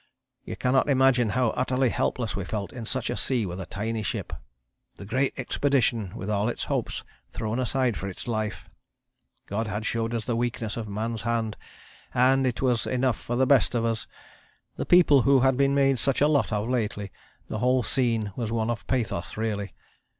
You cannot imagine how utterly helpless we felt in such a sea with a tiny ship, the great expedition with all its hopes thrown aside for its life. God had shown us the weakness of man's hand and it was enough for the best of us, the people who had been made such a lot of lately the whole scene was one of pathos really.